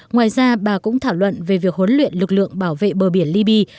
ngoài ra bà cũng thảo luận về việc huấn luyện lực lượng bảo vệ bờ biển liby